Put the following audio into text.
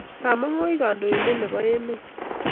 Bamongo kikikandoinget nebo emet